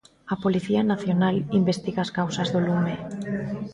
A Policía Nacional investiga as causas do lume.